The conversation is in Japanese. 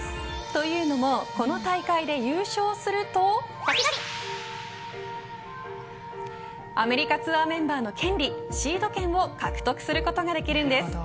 というのもこの大会に優勝するとアメリカツアーメンバーの権利シード権を獲得することができるんです。